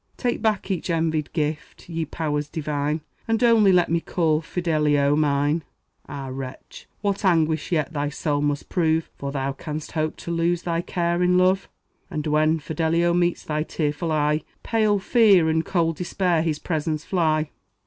Take back each envied gift, ye powers divine, And only let me call Fidelio mine. Ah, wretch! what anguish yet thy soul must prove! For thou canst hope to lose thy care in love; And when Fidelio meets thy tearful eye, Pale fear and cold despair his presence fly.